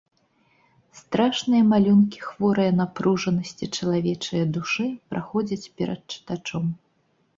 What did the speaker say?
Страшныя малюнкі хворае напружанасці чалавечае душы праходзяць перад чытачом.